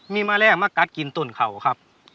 มีแมลงมากัดกินตุ่นเขาครับ